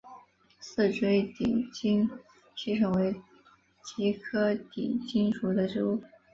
似锥低颈吸虫为棘口科低颈属的动物。